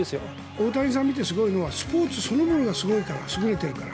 大谷さんを見てすごいのはスポーツそのものが優れてるから。